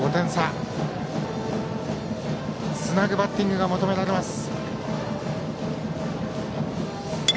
つなぐバッティングが求められます。